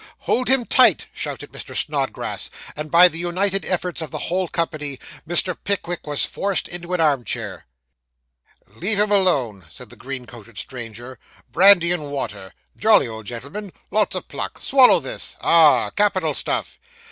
'Hold him tight,' shouted Mr. Snodgrass; and by the united efforts of the whole company, Mr. Pickwick was forced into an arm chair. 'Leave him alone,' said the green coated stranger; 'brandy and water jolly old gentleman lots of pluck swallow this ah! capital stuff.